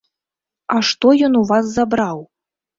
А што ён у вас забраў?